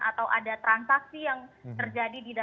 atau ada transaksi yang terjadi